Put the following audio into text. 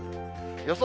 予想